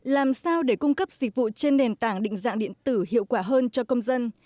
làm sao để cung cấp dịch vụ trên nền tảng định dạng điện tử hiệu quả hơn cho công dân